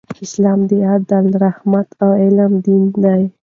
اسلام د عدل، رحمت او علم دین دی.